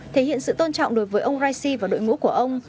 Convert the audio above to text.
thể hiện sự tôn trọng đối với ông raisi và đội ngũ của ông